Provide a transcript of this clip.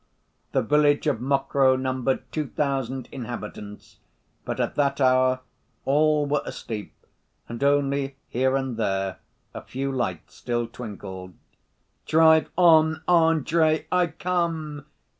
The village of Mokroe numbered two thousand inhabitants, but at that hour all were asleep, and only here and there a few lights still twinkled. "Drive on, Andrey, I come!"